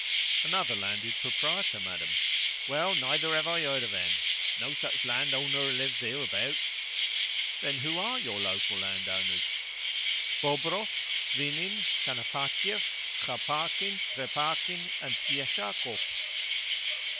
"Another landed proprietor, madam." "Well, neither have I heard of him. No such landowner lives hereabouts." "Then who ARE your local landowners?" "Bobrov, Svinin, Kanapatiev, Khapakin, Trepakin, and Plieshakov."